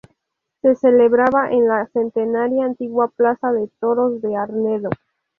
Se celebraba en la centenaria antigua plaza de toros de Arnedo.